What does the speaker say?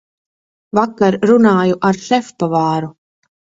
Vakar runāju ar šefpavāru.